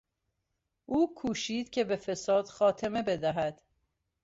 او کوشید که به فساد خاتمه بدهد.